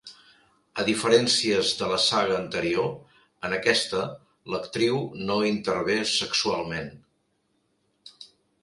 A diferències de la saga anterior, en aquesta, l'actriu no intervé sexualment.